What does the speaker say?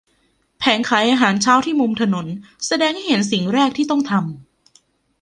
แผงขายอาหารเช้าที่มุมถนนแสดงให้เห็นสิ่งแรกที่ต้องทำ